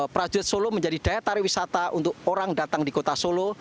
prajurit solo menjadi daya tarik wisata untuk orang datang di kota solo